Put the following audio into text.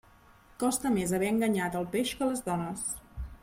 Costa més haver enganyat el peix que les dones.